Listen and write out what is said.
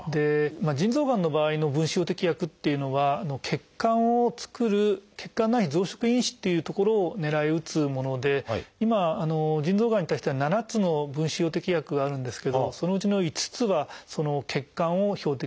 腎臓がんの場合の分子標的薬っていうのは血管を作る「血管内皮増殖因子」という所を狙い撃つもので今腎臓がんに対しては７つの分子標的薬があるんですけどそのうちの５つは血管を標的としたものです。